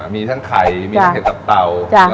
มีทั้งไข่มีทั้งเห็ดตับเตา